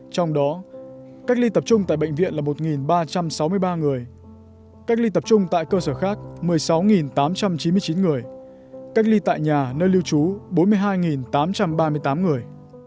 trong đó cách ly tập trung tại bệnh viện là một ba trăm sáu mươi ba người cách ly tập trung tại cơ sở khác một mươi sáu tám trăm chín mươi chín người cách ly tại nhà nơi lưu trú bốn mươi hai tám trăm ba mươi tám người